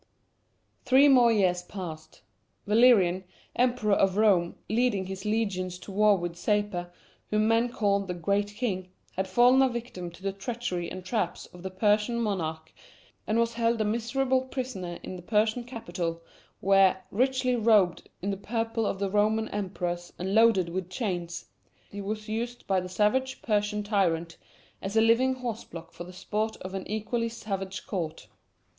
Three more years passed. Valerian, Emperor of Rome, leading his legions to war with Sapor, whom men called the "Great King," had fallen a victim to the treachery and traps of the Persian monarch, and was held a miserable prisoner in the Persian capital, where, richly robed in the purple of the Roman emperors and loaded with chains, he was used by the savage Persian tyrant as a living horse block for the sport of an equally savage court.